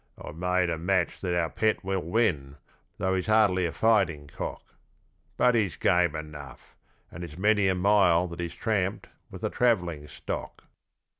I've made a match that our pet will win, though he's hardly a fighting cock, But he's game enough, and it's many a mile that he's tramped with the travelling stock.'